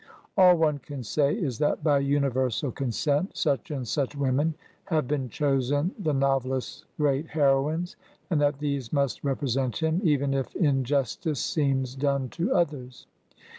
All one can say is that by universal con sent such and such women have been chosen the novel ist's great heroines, and that these must represent him, even if injustice seems done to others.